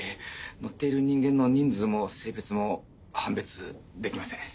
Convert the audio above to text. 乗っている人間の人数も性別も判別できません。